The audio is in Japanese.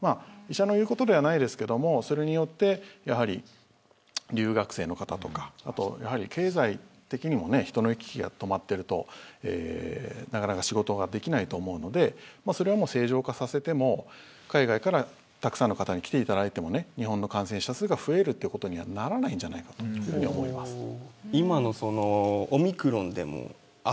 医者の言うことではないですけども、それによって留学生の方とか経済的にも人の行き来が止まっているとなかなか仕事ができないと思うので、それはもう正常化させても、海外からたくさんの方に来ていただいても日本の感染者数が増えるってことにはならないんじゃないかと思います。